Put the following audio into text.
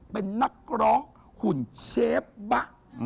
เป็นนักร้องหุ่นเชฟบะ